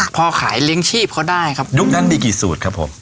พอขายเลี้ยงชีพเขาได้ครับยุคนั้นมีกี่สูตรครับผม